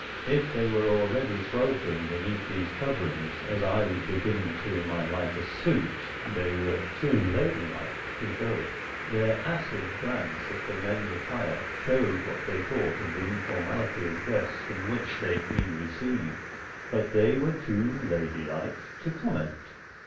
If they were already sweltering beneath these coverings, as I was beginning to in my lighter suit, they were too ladylike to show it. Their acid glance at the men's attire showed what they thought of the informality of dress in which they'd been received. But they were too ladylike to comment.